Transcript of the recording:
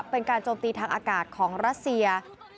เป็นการจมตีทางอากาศของรัสเซีย